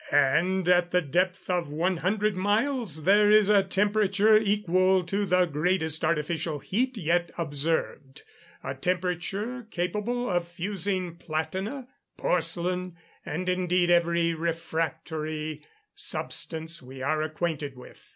And at the depth of 100 miles there is a temperature equal to the greatest artificial heat yet observed; a temperature capable of fusing platina, porcelain, and indeed every refractory substance we are acquainted with.